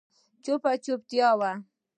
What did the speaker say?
چوپه چوپتيا وه.